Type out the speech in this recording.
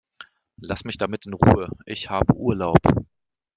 Lass mich damit in Ruhe, ich habe Urlaub!